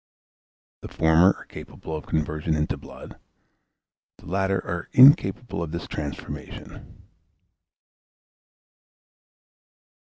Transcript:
The former are capable of conversion into blood; the latter are incapable of this transformation.